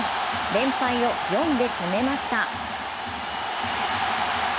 連敗を４で止めました。